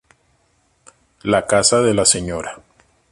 La casa de la Sra.